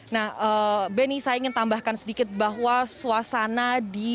nah benny saya ingin tambahkan sedikit bahwa suasana di